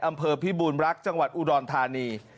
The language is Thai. อำเภอพิบูรณรักษ์จังหวัดอุดรธานี